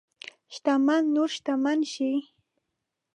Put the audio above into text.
شتمن نور شتمن شي.